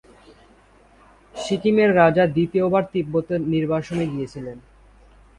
সিকিমের রাজা দ্বিতীয়বার তিব্বতে নির্বাসনে গিয়েছিলেন।